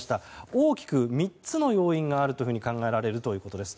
大きく３つの要因があると考えられるということです。